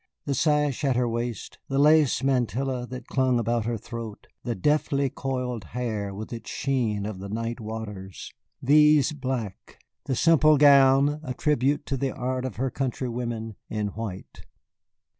The sash at her waist, the lace mantilla that clung about her throat, the deftly coiled hair with its sheen of the night waters these in black. The simple gown a tribute to the art of her countrywomen in white.